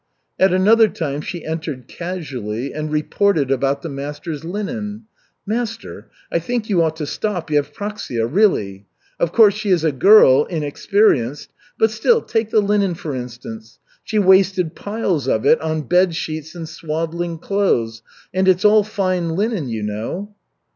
At another time she entered casually and "reported" about the master's linen. "Master, I think you ought to stop Yevpraksia, really. Of course, she is a girl, inexperienced, but still, take the linen for instance. She wasted piles of it on bed sheets and swaddling clothes, and it's all fine linen, you know."